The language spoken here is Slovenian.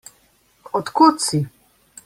Od kod si?